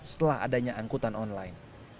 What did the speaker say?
setelah adanya angkutan online